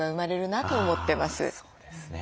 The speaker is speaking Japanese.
そうですね。